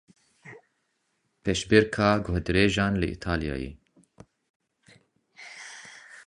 Pêşbirka guhdirêjan li Îtalyayê.